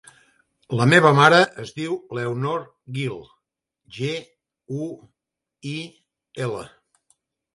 La meva mare es diu Leonor Guil: ge, u, i, ela.